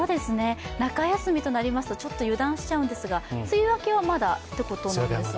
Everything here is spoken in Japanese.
中休みとなりますと、ちょっと油断しちゃうんですが梅雨明けはまだってことなんですよね？